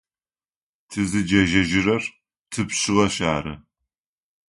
Тызыкӏежьэжьырэр тыпшъыгъэшъ ары.